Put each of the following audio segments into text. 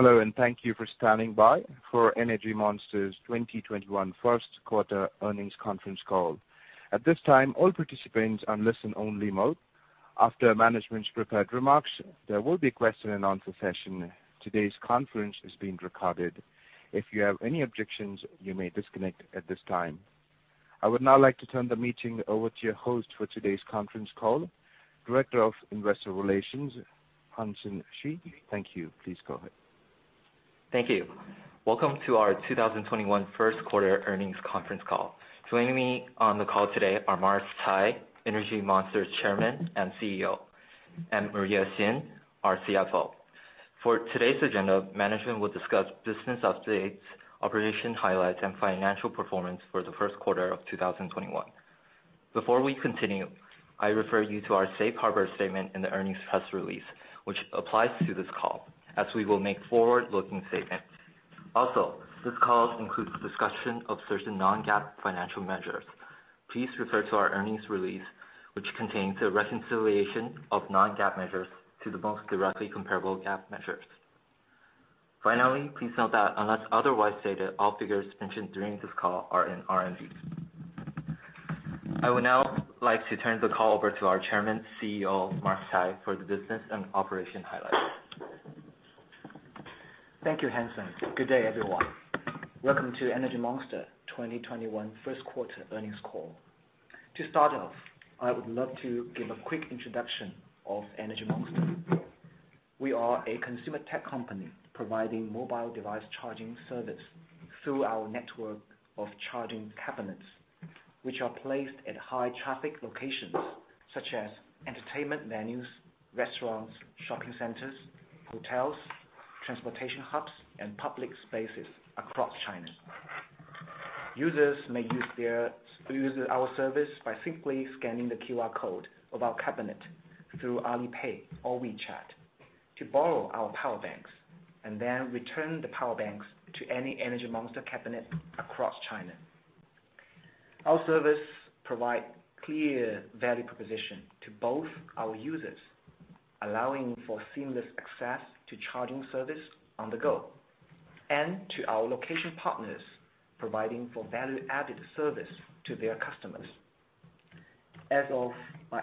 Hello. Thank you for standing by for Energy Monster's 2021 Q1 earnings conference call. I would now like to turn the meeting over to your host for today's conference call, Director of Investor Relations, Hansen Shi. Thank you. Please go ahead. Thank you. Welcome to our 2021 Q1 earnings conference call. Joining me on the call today are Mars GCai, Energy Monster's Chairman and CEO, and Maria Xin, our CFO. For today's agenda, management will discuss business updates, operation highlights, and financial performance for Q1 of 2021. Before we continue, I refer you to our safe harbor statement in the earnings press release, which applies to this call, as we will make forward-looking statements. Also, this call includes discussion of certain non-GAAP financial measures. Please refer to our earnings release, which contains the reconciliation of non-GAAP measures to the most directly comparable GAAP measures. Finally, please note that unless otherwise stated, all figures mentioned during this call are in RMB. I would now like to turn the call over to our Chairman CEO, Mars Cai, for the business and operation highlights. Thank you, Hansen. Good day, everyone. Welcome to Energy Monster 2021 Q1 earnings call. To start off, I would love to give a quick introduction of Energy Monster. We are a consumer tech company providing mobile device charging service through our network of charging cabinets, which are placed at high traffic locations such as entertainment venues, restaurants, shopping centers, hotels, transportation hubs, and public spaces across China. Users may use our service by simply scanning the QR code of our cabinet through Alipay or WeChat to borrow our power banks and then return the power banks to any Energy Monster cabinet across China. Our service provide clear value proposition to both our users, allowing for seamless access to charging service on the go, and to our location partners, providing for value-added service to their customers. As of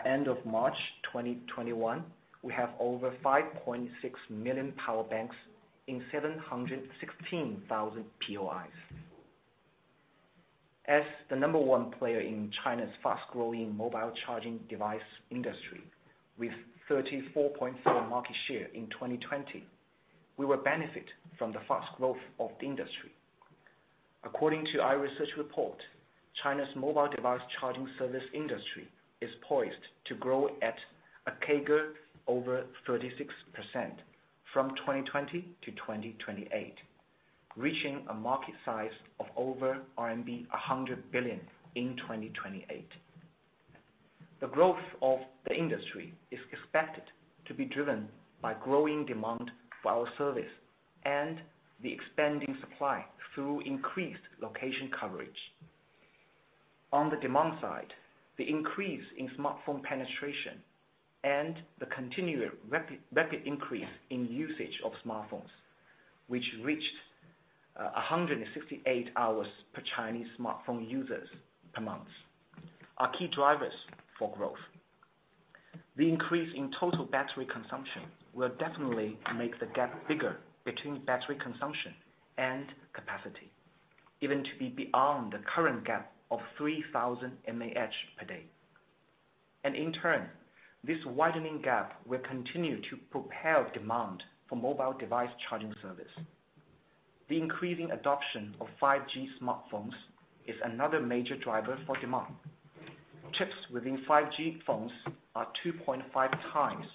end of March 2021, we have over 5.6 million power banks in 716,000 POIs. As the number one player in China's fast-growing mobile charging device industry with 34.4% market share in 2020, we will benefit from the fast growth of the industry. According to our research report, China's mobile device charging service industry is poised to grow at a CAGR over 36% from 2020 to 2028, reaching a market size of over RMB 100 billion in 2028. The growth of the industry is expected to be driven by growing demand for our service and the expanding supply through increased location coverage. On the demand side, the increase in smartphone penetration and the continued rapid increase in usage of smartphones, which reached 168 hours per Chinese smartphone users per month, are key drivers for growth. The increase in total battery consumption will definitely make the gap bigger between battery consumption and capacity, even to be beyond the current gap of 3,000 mAh per day. In turn, this widening gap will continue to propel demand for mobile device charging service. The increasing adoption of 5G smartphones is another major driver for demand. Chips within 5G phones are 2.5 times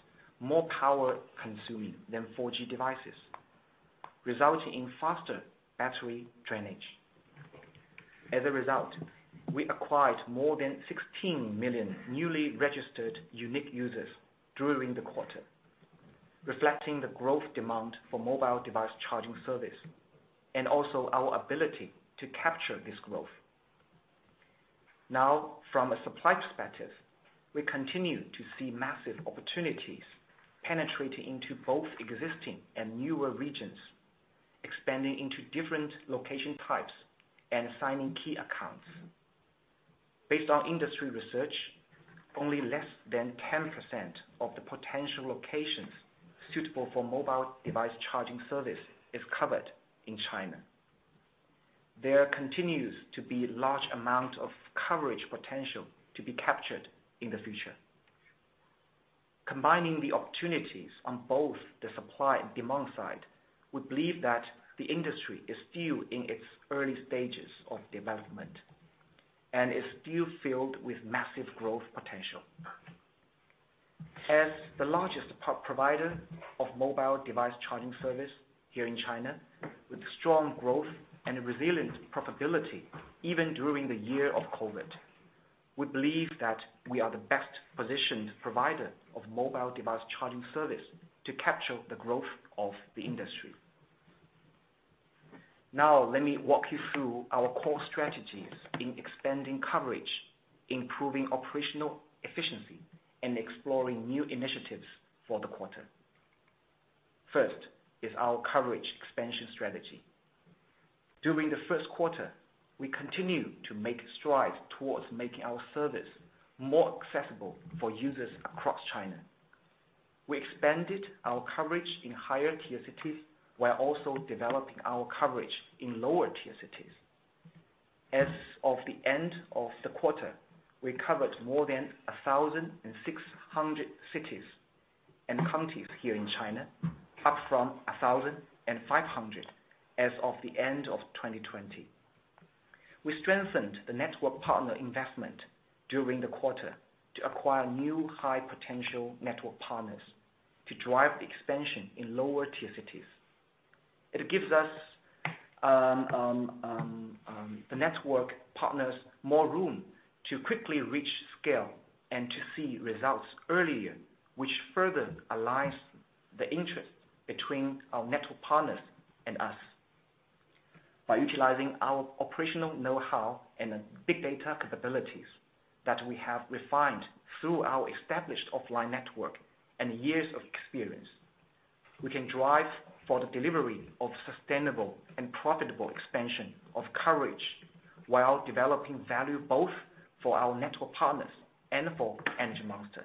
more power consuming than 4G devices, resulting in faster battery drainage. As a result, we acquired more than 16 million newly registered unique users during the quarter, reflecting the growth demand for mobile device charging service, and also our ability to capture this growth. Now, from a supply perspective, we continue to see massive opportunities penetrating into both existing and newer regions, expanding into different location types and signing key accounts. Based on industry research, only less than 10% of the potential locations suitable for mobile device charging service is covered in China. There continues to be large amount of coverage potential to be captured in the future. Combining the opportunities on both the supply and demand side, we believe that the industry is still in its early stages of development and is still filled with massive growth potential. As the largest provider of mobile device charging service here in China, with strong growth and resilient profitability even during the year of COVID-19, we believe that we are the best-positioned provider of mobile device charging service to capture the growth of the industry. Now let me walk you through our core strategies in expanding coverage, improving operational efficiency, and exploring new initiatives for the quarter. First is our coverage expansion strategy. During Q1, we continued to make strides towards making our service more accessible for users across China. We expanded our coverage in higher-tier cities while also developing our coverage in lower-tier cities. As of the end of the quarter, we covered more than 1,600 cities and counties here in China, up from 1,500 as of the end of 2020. We strengthened the network partner investment during the quarter to acquire new high-potential network partners to drive expansion in lower-tier cities. It gives the network partners more room to quickly reach scale and to see results earlier, which further aligns the interest between our network partners and us. By utilizing our operational know-how and big data capabilities that we have refined through our established offline network and years of experience, we can drive for the delivery of sustainable and profitable expansion of coverage while developing value both for our network partners and for Energy Monster.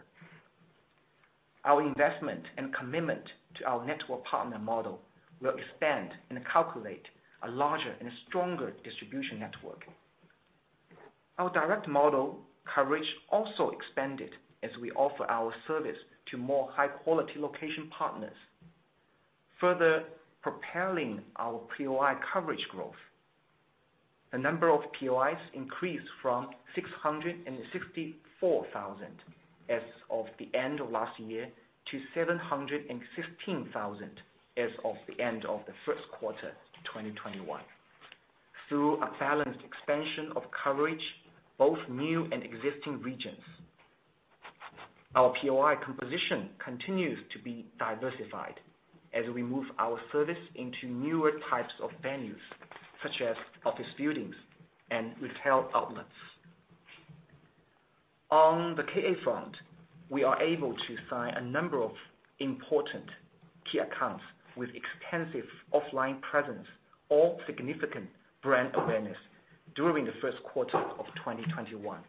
Our investment and commitment to our network partner model will expand and calculate a larger and stronger distribution network. Our direct model coverage also expanded as we offer our service to more high-quality location partners, further propelling our POI coverage growth. The number of POIs increased from 664,000 as of the end of last year to 715,000 as of the end of Q1 2021. Through a balanced expansion of coverage, both new and existing regions, our POI composition continues to be diversified as we move our service into newer types of venues, such as office buildings and retail outlets. On the KA front, we are able to sign a number of important key accounts with extensive offline presence or significant brand awareness during Q1 of 2021.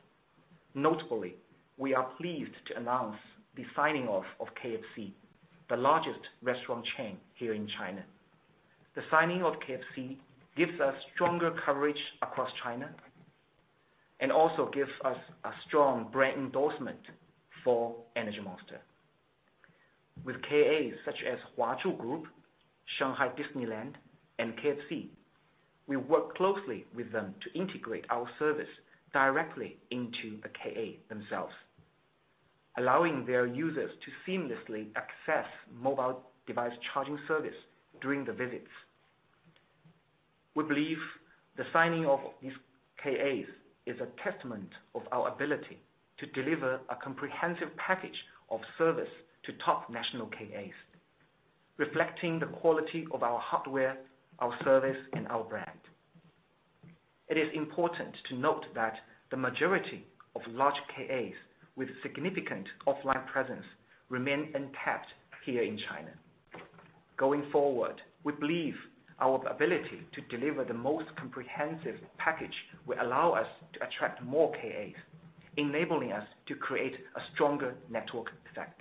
Notably, we are pleased to announce the signing of KFC, the largest restaurant chain here in China. The signing of KFC gives us stronger coverage across China and also gives us a strong brand endorsement for Energy Monster. With KAs such as Huazhu Group, Shanghai Disneyland, and KFC, we work closely with them to integrate our service directly into the KAs themselves, allowing their users to seamlessly access mobile device charging service during the visits. We believe the signing of these KAs is a testament of our ability to deliver a comprehensive package of service to top national KAs, reflecting the quality of our hardware, our service, and our brand. It is important to note that the majority of large KAs with significant offline presence remain untapped here in China. Going forward, we believe our ability to deliver the most comprehensive package will allow us to attract more KAs, enabling us to create a stronger network effect.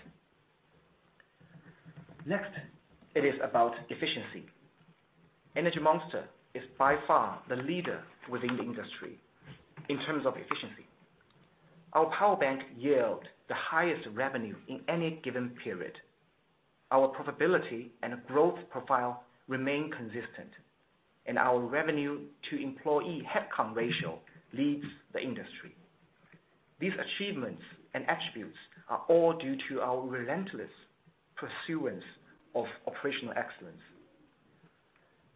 Next, it is about efficiency. Energy Monster is by far the leader within the industry in terms of efficiency. Our power bank yield the highest revenue in any given period. Our profitability and growth profile remain consistent, and our revenue to employee headcount ratio leads the industry. These achievements and attributes are all due to our relentless pursuance of operational excellence.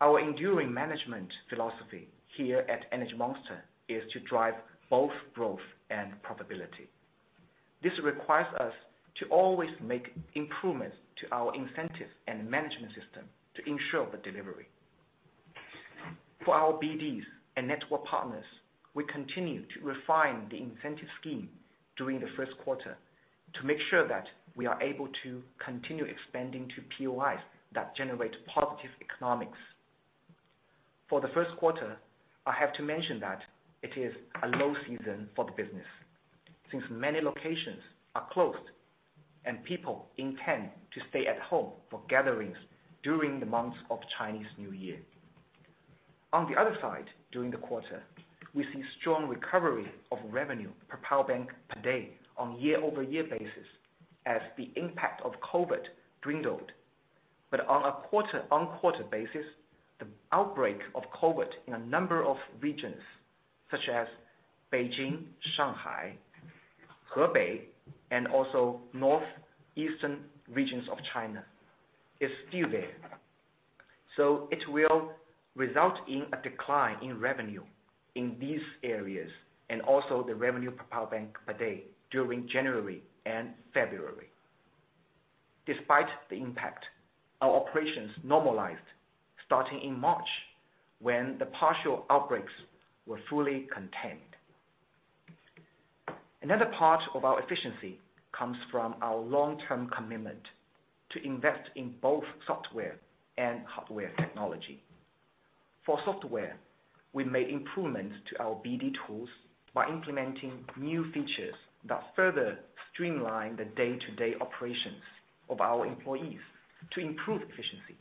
Our enduring management philosophy here at Energy Monster is to drive both growth and profitability. This requires us to always make improvements to our incentive and management system to ensure the delivery. For our BDs and network partners, we continue to refine the incentive scheme during the first quarter to make sure that we are able to continue expanding to POIs that generate positive economics. For Q1, I have to mention that it is a low season for the business since many locations are closed and people intend to stay at home for gatherings during the months of Chinese New Year. The other side, during the quarter, we've seen strong recovery of revenue per power bank per day on year-over-year basis as the impact of COVID dwindled. On a quarter-on-quarter basis, the outbreak of COVID in a number of regions such as Beijing, Shanghai, Hebei, and also northeastern regions of China is still there. It will result in a decline in revenue in these areas and also the revenue per power bank per day during January and February. Despite the impact, our operations normalized starting in March when the partial outbreaks were fully contained. Another part of our efficiency comes from our long-term commitment to invest in both software and hardware technology. For software, we made improvements to our BD tools by implementing new features that further streamline the day-to-day operations of our employees to improve efficiency,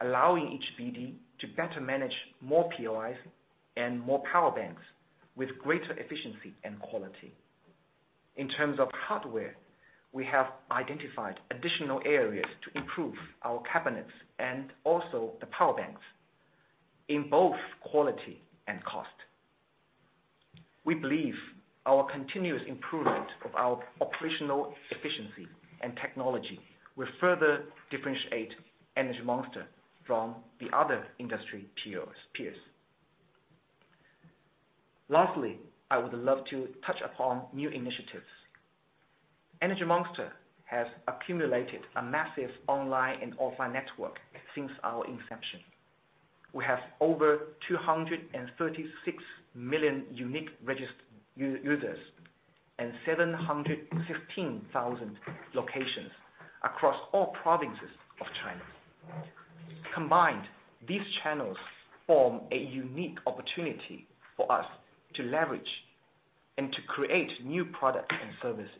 allowing each BD to better manage more POIs and more power banks with greater efficiency and quality. In terms of hardware, we have identified additional areas to improve our cabinets and also the power banks in both quality and cost. We believe our continuous improvement of our operational efficiency and technology will further differentiate Energy Monster from the other industry peers. Lastly, I would love to touch upon new initiatives. Energy Monster has accumulated a massive online and offline network since our inception. We have over 236 million unique registered users and 715,000 locations across all provinces of China. Combined, these channels form a unique opportunity for us to leverage and to create new products and services.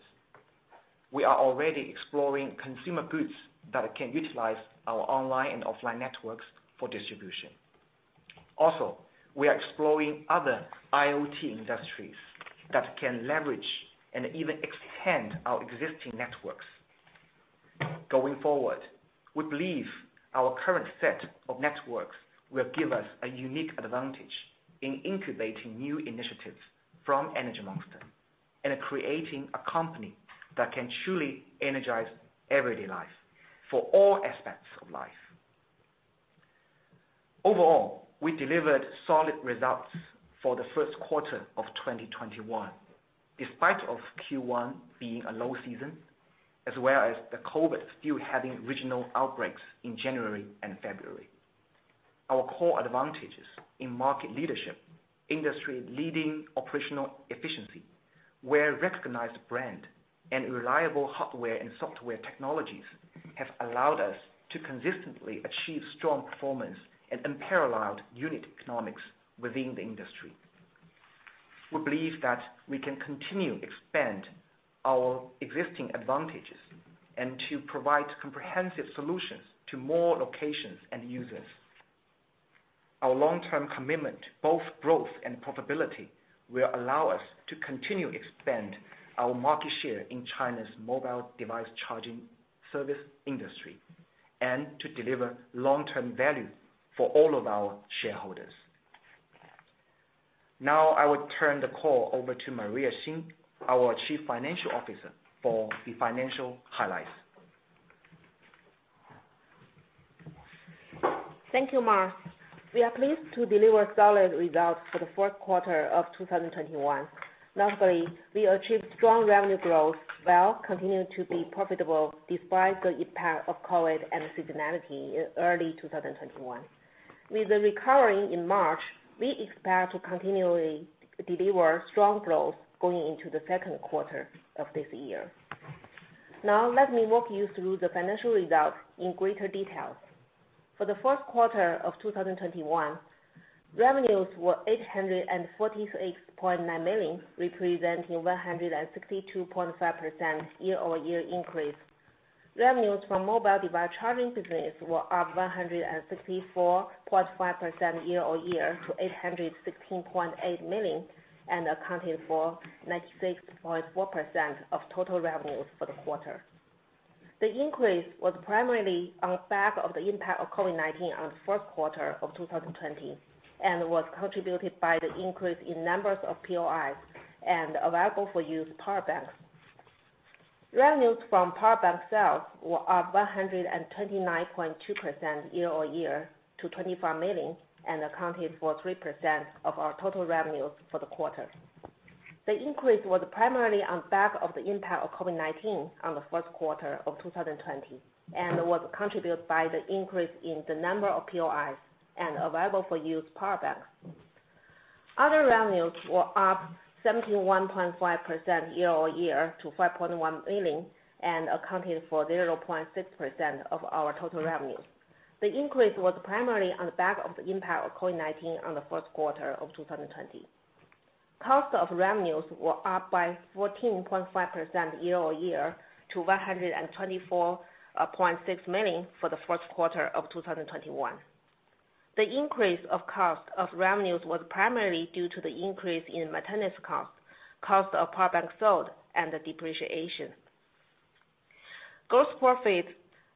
We are already exploring consumer goods that can utilize our online and offline networks for distribution. Also, we are exploring other IoT industries that can leverage and even extend our existing networks. Going forward, we believe our current set of networks will give us a unique advantage in incubating new initiatives from Energy Monster and creating a company that can truly energize everyday life for all aspects of life. Overall, we delivered solid results for Q1 of 2021, despite Q1 being a low season, as well as the COVID-19 still having regional outbreaks in January and February. Our core advantages in market leadership, industry-leading operational efficiency, well-recognized brand, and reliable hardware and software technologies have allowed us to consistently achieve strong performance and unparalleled unit economics within the industry. We believe that we can continue to expand our existing advantages and to provide comprehensive solutions to more locations and users. Our long-term commitment to both growth and profitability will allow us to continue to expand our market share in China's mobile device charging service industry and to deliver long-term value for all of our shareholders. Now I will turn the call over to Maria Xin, our chief financial officer, for the financial highlights. Thank you, Mars. We are pleased to deliver solid results for Q1 of 2021. We achieved strong revenue growth while continuing to be profitable despite the impact of COVID and seasonality in early 2021. With the recovery in March, we expect to continually deliver strong growth going into Q2 of this year. Let me walk you through the financial results in greater detail. For Q1 of 2021, revenues were 846.9 million, representing 162.5% year-over-year increase. Revenues from mobile device charging business were up 164.5% year-over-year to 816.8 million and accounted for 96.4% of total revenues for the quarter. The increase was primarily on the back of the impact of COVID-19 on Q4 of 2020 and was contributed by the increase in numbers of POIs and available-for-use power banks. Revenues from power banks sales were up 129.2% year-over-year to 24 million and accounted for 3% of our total revenues for the quarter. The increase was primarily on the back of the impact of COVID-19 on Q4 of 2020 and was contributed by the increase in the number of POIs and available-for-use power banks. Other revenues were up 71.5% year-over-year to 5.1 million and accounted for 0.6% of our total revenues. The increase was primarily on the back of the impact of COVID-19 on Q4 of 2020. Cost of revenues were up by 14.5% year-over-year to 124.6 million for Q1 of 2021. The increase of cost of revenues was primarily due to the increase in maintenance cost of power banks sold, and the depreciation. Gross profit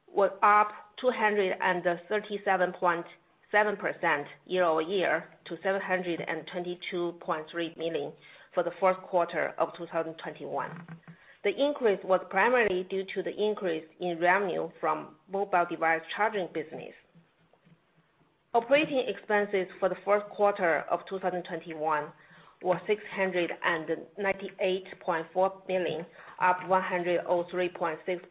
was up 237.7% year-over-year to CNY 722.3 million for Q1 of 2021. The increase was primarily due to the increase in revenue from mobile device charging business. Operating expenses for Q1 of 2021 were CNY 698.4 million, up 103.6%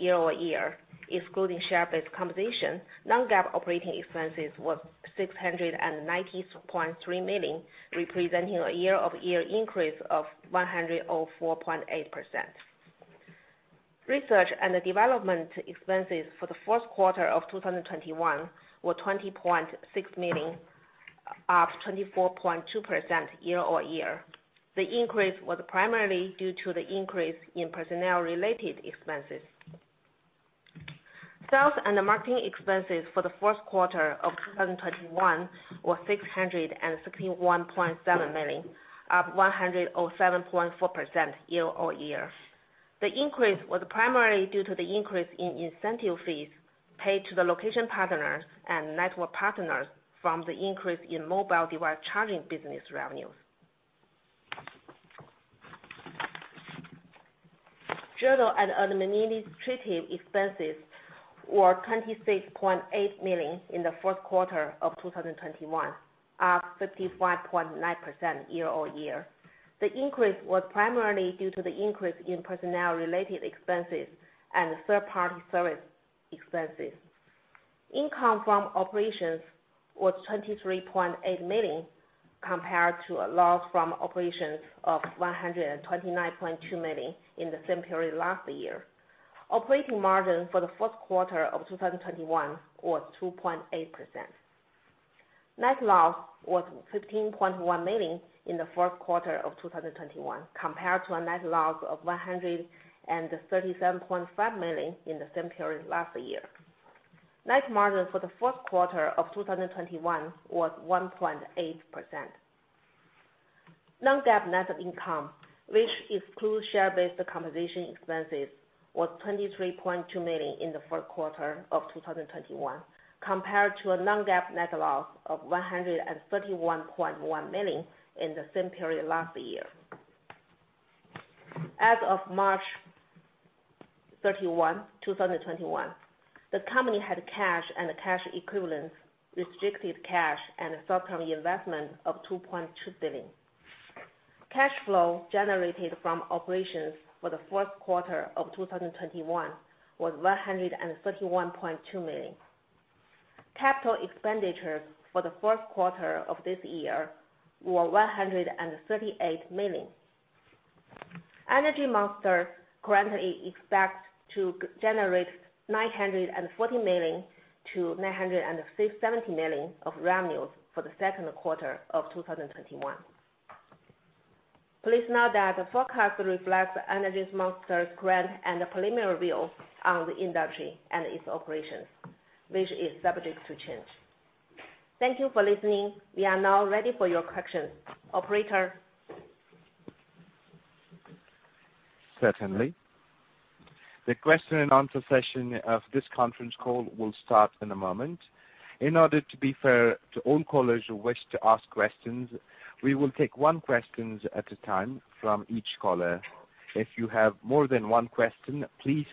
year-over-year. Excluding share-based compensation, non-GAAP operating expenses were 690.3 million, representing a year-over-year increase of 104.8%. Research and development expenses for Q1 of 2021 were 20.6 million, up 24.2% year-over-year. The increase was primarily due to the increase in personnel-related expenses. Sales and marketing expenses for Q1 of 2021 were 661.7 million, up 107.4% year-over-year. The increase was primarily due to the increase in incentive fees paid to the location partners and network partners from the increase in mobile device charging business revenue. General and administrative expenses were 26.8 million in Q4 of 2021, up 55.9% year-over-year. The increase was primarily due to the increase in personnel-related expenses and third-party service expenses. Income from operations was 23.8 million, compared to a loss from operations of 129.2 million in the same period last year. Operating margin for Q4 of 2021 was 2.8%. Net loss was 15.1 million in Q4 of 2021, compared to a net loss of 137.5 million in the same period last year. Net margin for Q4 of 2021 was 1.8%. Non-GAAP net income, which excludes share-based compensation expenses, was 23.2 million in Q4 of 2021, compared to a non-GAAP net loss of 131.1 million in the same period last year. As of March 31, 2021, the company had cash and cash equivalents, restricted cash, and short-term investments of 2.2 billion. Cash flow generated from operations for Q4 of 2021 was 131.2 million. Capital expenditures for Q1 of this year were 138 million. Energy Monster currently expects to generate 940 million-970 million of revenues for Q2 of 2021. Please note that the forecast reflects Energy Monster's current and preliminary views on the industry and its operations, which is subject to change. Thank you for listening. We are now ready for your questions. Operator? Certainly. The question-and-answer session of this conference call will start in a moment. In order to be fair to all callers who wish to ask questions, we will take one question at a time from each caller. If you have more than one question, please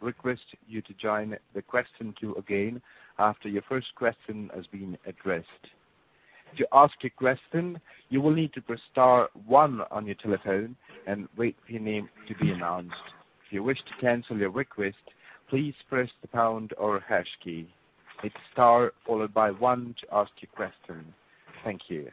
request you to join the question queue again after your first question has been addressed. To ask a question, you will need to press star one on your telephone and wait for your name to be announced. If you wish to cancel your request, please press the pound or hash key. It's star followed by one to ask your question. Thank you.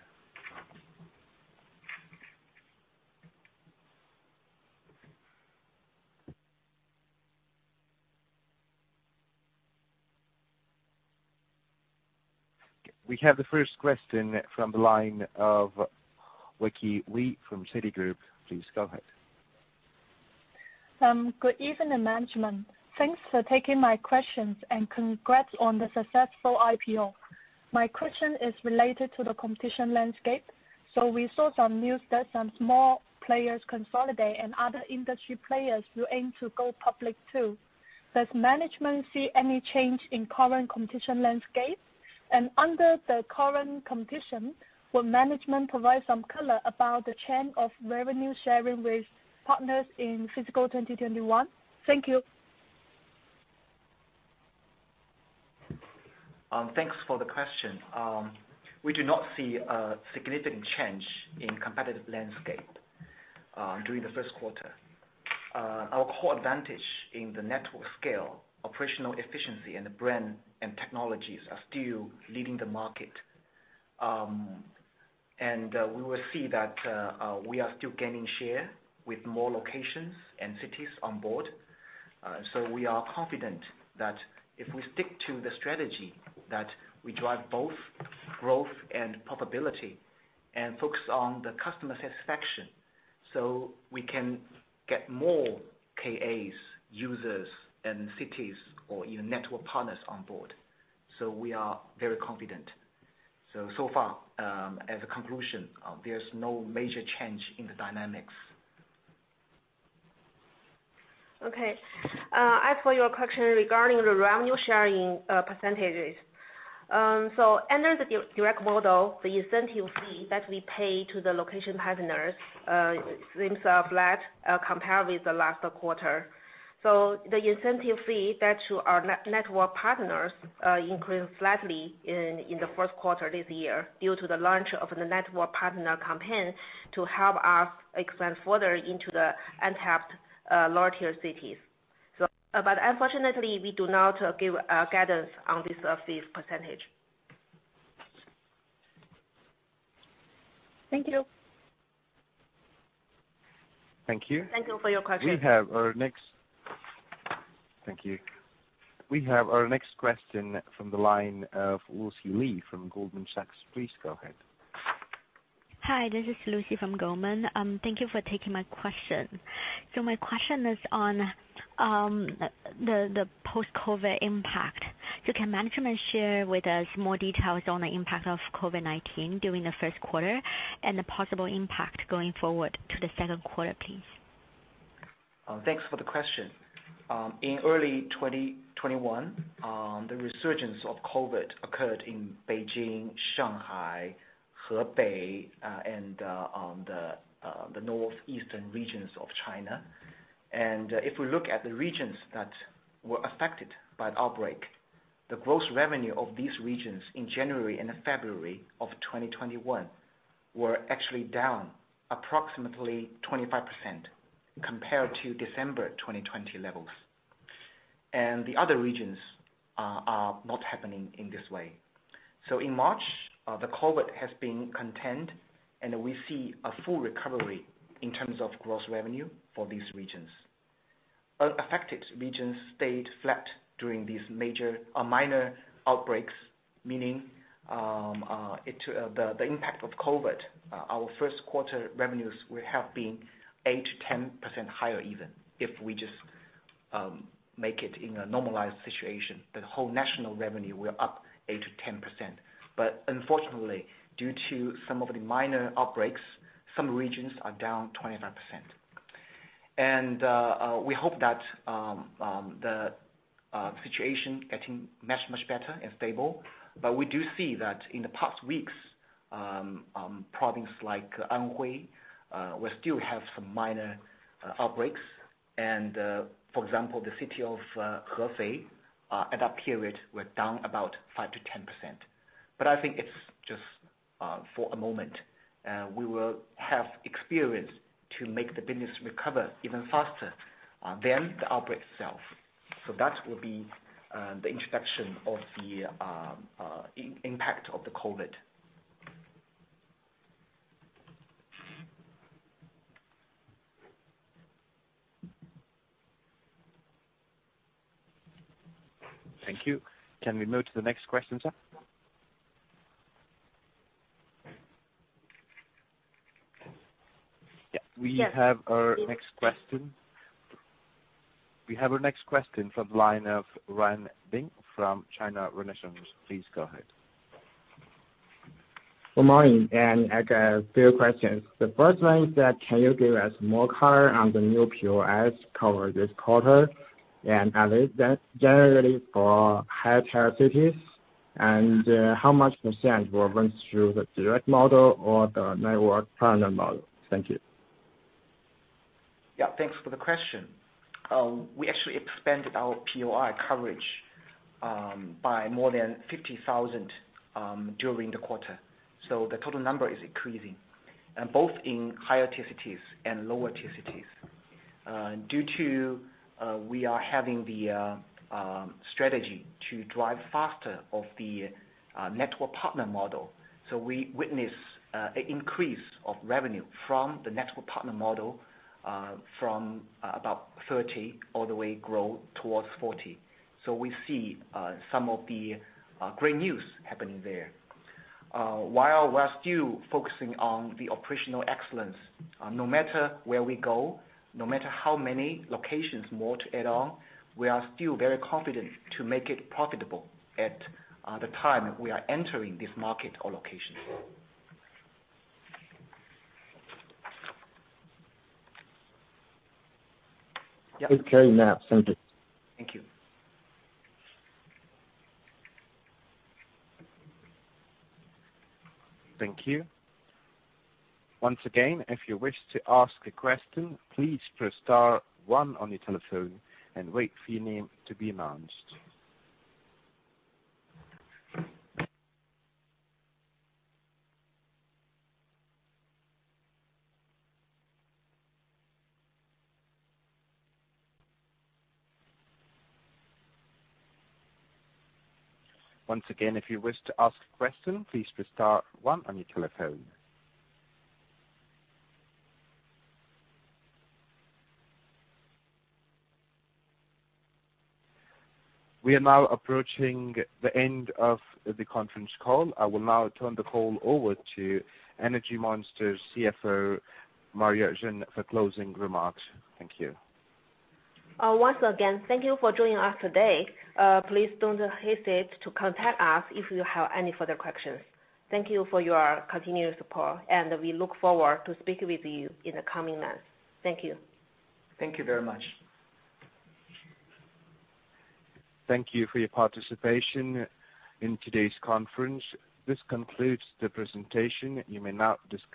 We have the first question from the line of Vicky Lee from Citigroup. Please go ahead. Good evening, management. Thanks for taking my questions, and congrats on the successful IPO. My question is related to the competition landscape. We saw some news that some small players consolidate and other industry players who aim to go public, too. Does management see any change in current competition landscape? Under the current competition, will management provide some color about the trend of revenue sharing with partners in fiscal 2021? Thank you. Thanks for the question. We do not see a significant change in competitive landscape during the first quarter. Our core advantage in the network scale, operational efficiency, and brand and technologies are still leading the market. We will see that we are still gaining share with more locations and cities on board. We are confident that if we stick to the strategy, that we drive both growth and profitability and focus on the customer satisfaction, so we can get more KAs, users, and cities or even network partners on board. We are very confident. So far, as a conclusion, there's no major change in the dynamics. Okay. As for your question regarding the revenue sharing percentages. Under the direct model, the incentive fee that we pay to the location partners seems flat compared with the last quarter. The incentive fee paid to our network partners increased slightly in the first quarter this year due to the launch of the network partner campaign to help us expand further into the untapped lower tier cities. Unfortunately, we do not give guidance on this percentage. Thank you. Thank you. Thank you for your question. Thank you. We have our next question from the line of Lucy Li from Goldman Sachs. Please go ahead. Hi, this is Lucy from Goldman. Thank you for taking my question. My question is on the post-COVID impact. Can management share with us more details on the impact of COVID-19 during the first quarter and the possible impact going forward to Q2, please? Thanks for the question. In early 2021, the resurgence of COVID-19 occurred in Beijing, Shanghai, Hebei, and the northeastern regions of China. If we look at the regions that were affected by the outbreak, the gross revenue of these regions in January and February of 2021 were actually down approximately 25% compared to December 2020 levels. The other regions are not happening in this way. In March, the COVID-19 has been contained, and we see a full recovery in terms of gross revenue for these regions. Affected regions stayed flat during these minor outbreaks, meaning, the impact of COVID-19, our first quarter revenues would have been 8%-10% higher even if we just make it in a normalized situation. The whole national revenue were up 8%-10%. Unfortunately, due to some of the minor outbreaks, some regions are down 25%. We hope that the situation getting much, much better and stable. We do see that in the past weeks, province like Anhui, will still have some minor outbreaks. For example, the city of Hefei, at that period, were down about 5%-10%. I think it's just for a moment. We will have experience to make the business recover even faster than the outbreak itself. That will be the introduction of the impact of the COVID. Thank you. Can we move to the next question, sir? We have our next question from the line of Ryan Ling from China Renaissance. Please go ahead. Good morning. I got a few questions. The first one is that, can you give us more color on the new POIs cover this quarter? Are they generally for higher tier cities? How much % will run through the direct model or the network partner model? Thank you. Yeah, thanks for the question. We actually expanded our POI coverage by more than 50,000 during the quarter. The total number is increasing, and both in higher tier cities and lower tier cities. Due to we are having the strategy to drive faster of the network partner model. We witness an increase of revenue from the network partner model, from about 30% all the way grow towards 40%. We see some of the great news happening there. While we are still focusing on the operational excellence, no matter where we go, no matter how many locations more to add on, we are still very confident to make it profitable at the time we are entering this market or location. Yeah. Okay. Thank you. Thank you. Thank you. Once again, if you wish to ask a question, please press star one on your telephone and wait for your name to be announced. Once again, if you wish to ask a question, please press star one on your telephone. We are now approaching the end of the conference call. I will now turn the call over to Energy Monster CFO, Maria Yi Xin, for closing remarks. Thank you. Once again, thank you for joining us today. Please don't hesitate to contact us if you have any further questions. Thank you for your continued support, and we look forward to speaking with you in the coming months. Thank you. Thank you very much. Thank you for your participation in today's conference. This concludes the presentation. You may now disconnect.